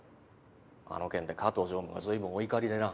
あの件で加藤常務が随分お怒りでな。